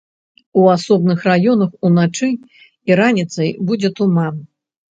У асобных раёнах уначы і раніцай будзе туман.